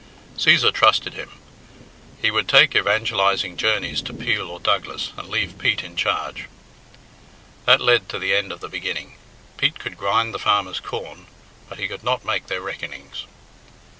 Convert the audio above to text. Cæsar trusted him. He would take evangelising journeys to Peel or Douglas and leave Pete in charge. That led to the end of the beginning. Pete could grind the farmers' corn, but he could not make their reckonings.